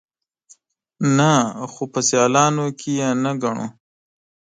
_نه، خو په سيالانو کې يې نه ګڼو.